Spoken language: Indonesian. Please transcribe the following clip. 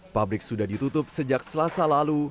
pabrik sudah ditutup sejak selasa lalu